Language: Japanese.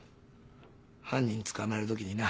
犯人捕まえるときにな